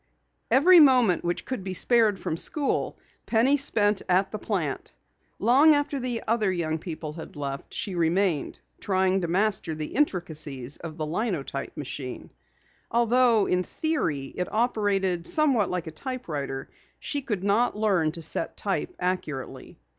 Every moment which could be spared from school, Penny spent at the plant. Long after the other young people had left, she remained, trying to master the intricacies of the linotype machine. Although in theory it operated somewhat like a typewriter, she could not learn to set type accurately.